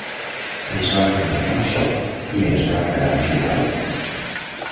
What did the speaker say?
Ens va encantar el joc i ens va agradar jugar-hi.